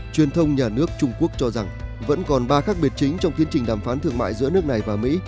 truyền thông nhà nước trung quốc cho rằng vẫn còn ba khác biệt chính trong tiến trình đàm phán thương mại giữa nước này và mỹ